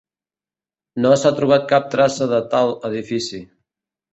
No s'ha trobat cap traça de tal edifici.